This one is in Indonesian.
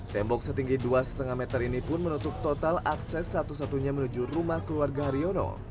tembok setinggi dua lima meter ini pun menutup total akses satu satunya menuju rumah keluarga haryono